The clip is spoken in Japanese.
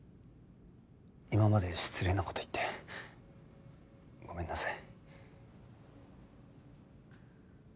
今まで失礼な事言ってごめんなさい。